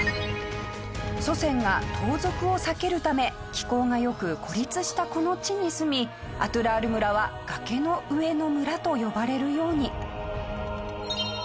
祖先が盗賊を避けるため気候が良く孤立したこの地に住み阿土列爾村は「崖の上の村」と呼ばれるように。